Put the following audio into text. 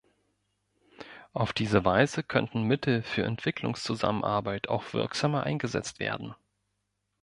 Auf diese Weise könnten Mittel für Entwicklungszusammenarbeit auch wirksamer eingesetzt werden.